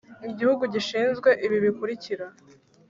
Igihugu gishinzwe ibi bikurikira